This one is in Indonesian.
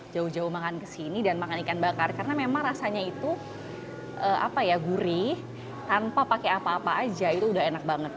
jauh jauh makan kesini dan makan ikan bakar karena memang rasanya itu gurih tanpa pakai apa apa aja itu udah enak banget